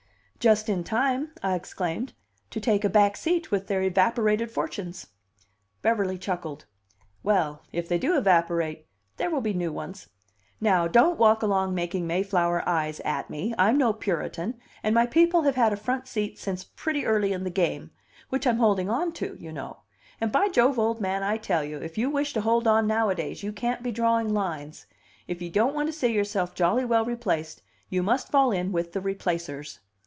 "Just in time," I exclaimed, "to take a back seat with their evaporated fortunes!" Beverly chuckled. "Well, if they do evaporate, there will be new ones. Now don't walk along making Mayflower eyes at me. I'm no Puritan, and my people have had a front seat since pretty early in the game, which I'm holding on to, you know. And by Jove, old man, I tell you, if you wish to hold on nowadays, you can't be drawing lines! If you don't want to see yourself jolly well replaced, you must fall in with the replacers.